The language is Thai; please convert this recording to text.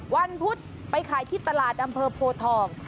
พุธไปขายที่ตลาดอำเภอโพทอง